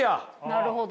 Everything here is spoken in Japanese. なるほど。